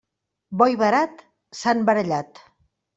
Bo i Barat s'han barallat.